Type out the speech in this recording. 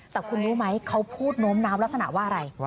แต่คุณรู้ไหมเขาพูดโน้มน้าวลักษณะว่าอะไร